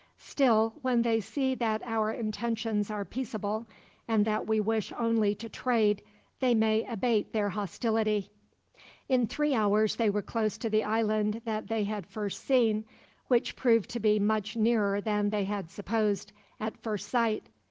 Still, when they see that our intentions are peaceable, and that we wish only to trade, they may abate their hostility." In three hours they were close to the island that they had first seen, which proved to be much nearer than they had supposed, at first sight.